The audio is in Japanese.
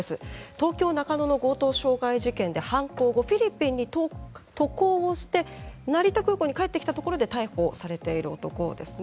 東京・中野の強盗傷害事件で犯行後、フィリピンに渡航をして成田空港に帰ってきたところで逮捕されている男ですね。